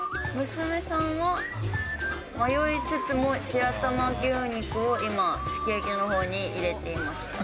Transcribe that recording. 娘さんは迷いつつも、白玉牛肉を今、すき焼きのほうに入れています。